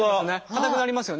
硬くなりますよね。